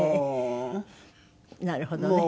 なるほどね。